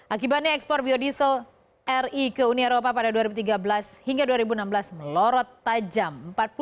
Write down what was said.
akibatnya ekspor biodiesel ri ke uni eropa pada dua ribu tiga belas hingga dua ribu enam belas melorot tajam